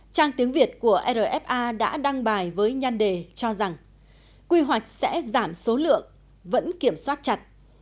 trang tiếng việt của rfa đã đăng bài với nhăn đề cho rằng quy hoạch sẽ giảm số lượng vẫn kiểm soát chặt